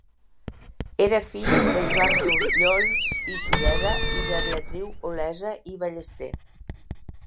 Era fill de Joan Trullols i Sureda i de Beatriu Olesa i Ballester.